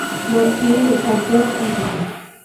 লোকটি একজন ইহুদী।